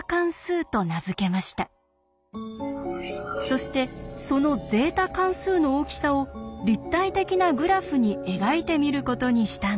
そしてそのゼータ関数の大きさを立体的なグラフに描いてみることにしたんです。